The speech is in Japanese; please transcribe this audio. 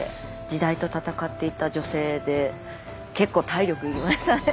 時代と闘っていた女性で結構体力要りましたね。